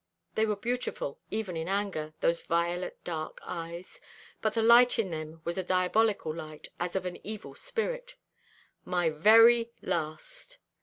They were beautiful even in anger, those violet dark eyes; but the light in them was a diabolical light, as of an evil spirit. "My very last."